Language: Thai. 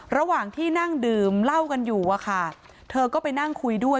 ระหว่างที่นั่งดื่มเหล้ากันอยู่อะค่ะเธอก็ไปนั่งคุยด้วย